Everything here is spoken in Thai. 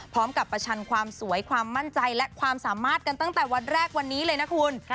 ประชันความสวยความมั่นใจและความสามารถกันตั้งแต่วันแรกวันนี้เลยนะคุณ